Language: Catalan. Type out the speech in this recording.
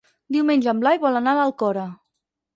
Diumenge en Blai vol anar a l'Alcora.